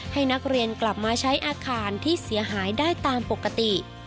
ให้นักเรียนกลับมาใช้อาคารที่เสียหายได้ตามปกติ